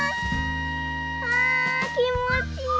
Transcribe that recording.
あきもちいい。